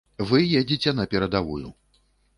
Вы едзеце на перадавую.